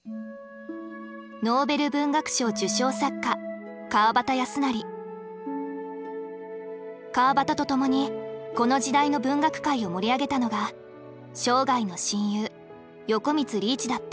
ノーベル文学賞受賞作家川端と共にこの時代の文学界を盛り上げたのが生涯の親友横光利一だった。